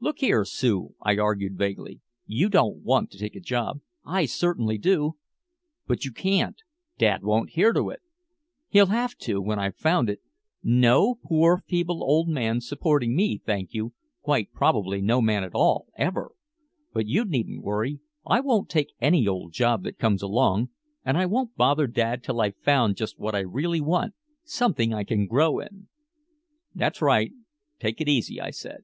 "Look here, Sue," I argued vaguely. "You don't want to take a job " "I certainly do " "But you can't! Dad wouldn't hear to it!" "He'll have to when I've found it. No poor feeble old man supporting me, thank you quite probably no man at all ever! But you needn't worry. I won't take any old job that comes along. And I won't bother Dad till I've found just what I really want something I can grow in." "That's right, take it easy," I said.